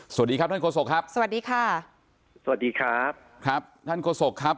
สวัสดีครับท่านโฆษกครับสวัสดีค่ะสวัสดีครับครับท่านโฆษกครับ